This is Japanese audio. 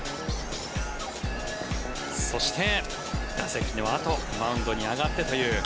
そして、打席のあとマウンドに上がってという。